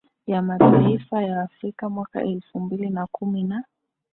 ya mataifa ya afrika mwaka elfu mbili kumi na